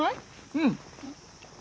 うん。